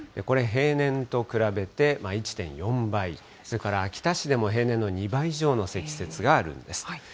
これ、平年と比べて１．４倍、それから秋田市でも平年の２倍以上の積雪があるんです。